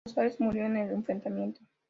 Rosales murió en el enfrentamiento.